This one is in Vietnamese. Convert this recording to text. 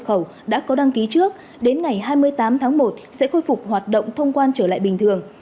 khẩu đã có đăng ký trước đến ngày hai mươi tám tháng một sẽ khôi phục hoạt động thông quan trở lại bình thường